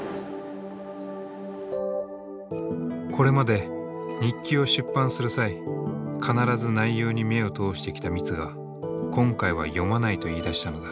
これまで日記を出版する際必ず内容に目を通してきたミツが今回は読まないと言いだしたのだ。